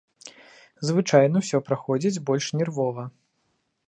Звычайна ўсё праходзіць больш нервова.